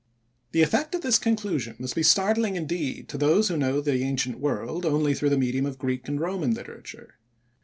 The effect of this conclusion must be startling indeed to those who know the ancient world only through the medium of Greek and Roman literature.